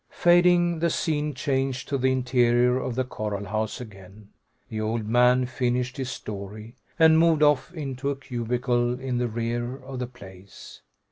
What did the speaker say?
Fading, the scene changed to the interior of the coral house again. The old man finished his story, and moved off into a cubicle in the rear of the place.